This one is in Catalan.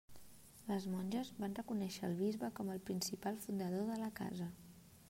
Les monges van reconèixer el bisbe com el principal fundador de la Casa.